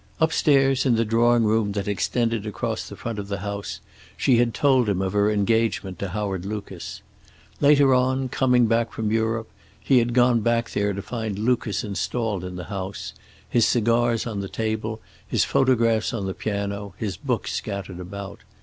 Upstairs, in the drawing room that extended across the front of the house, she had told him of her engagement to Howard Lucas. Later on, coming back from Europe, he had gone back there to find Lucas installed in the house, his cigars on the table, his photographs on the piano, his books scattered about.